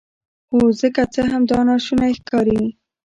هو زه که څه هم دا ناشونی ښکاري